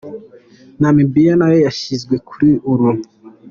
Namibia nayo yashyizwe kuri uru.